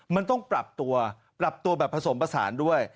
มันต้องปรับตัวปรับตัวแบบผสมผสานด้วย